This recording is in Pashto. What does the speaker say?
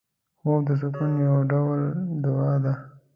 خوب د سکون یو ډول دعا ده